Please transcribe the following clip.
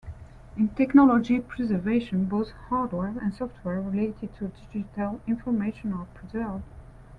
In technology preservation, both hardware and software related to digital information are preserved.